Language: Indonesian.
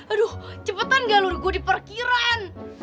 aduh cepetan galur gue di parkiran